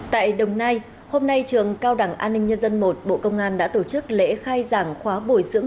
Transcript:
tại đồng nai hôm nay trường cao đẳng an ninh nhân dân i bộ công an đã tổ chức lễ khai giảng khóa bồi dưỡng